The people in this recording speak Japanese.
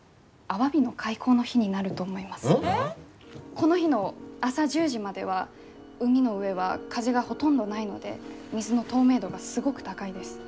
この日の朝１０時までは海の上は風がほとんどないので水の透明度がすごく高いです。